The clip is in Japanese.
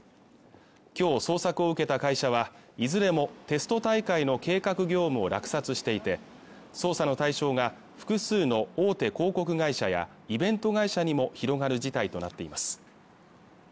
今日捜索を受けた会社はいずれもテスト大会の計画業務を落札していて捜査の対象が複数の大手広告会社やイベント会社にも広がる事態となっています